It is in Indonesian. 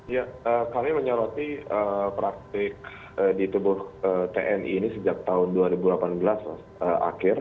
ya kami menyoroti praktik di tubuh tni ini sejak tahun dua ribu delapan belas akhir